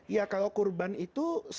ya kalau kurban itu semakin banyak